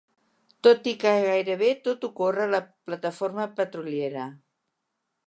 Tot i que gairebé tot ocorre a la plataforma petroliera.